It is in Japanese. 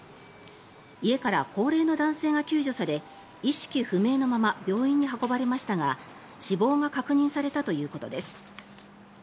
家から高齢の男性が救助され意識不明のまま病院に運ばれましたが、死亡が確認されたということです。